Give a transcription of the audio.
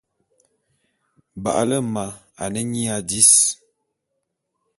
Ba’ale’e ma ane nyia dis.